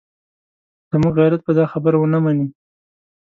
زموږ غیرت به دا خبره ونه مني.